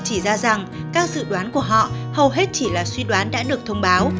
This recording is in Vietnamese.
chỉ ra rằng các dự đoán của họ hầu hết chỉ là suy đoán đã được thông báo